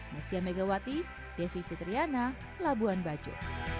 nesya megawati devi fitriana labuan bajo